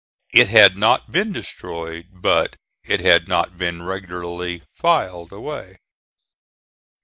It had not been destroyed, but it had not been regularly filed away.